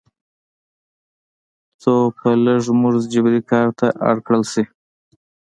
څو په لږ مزد جبري کار ته اړ کړل شي.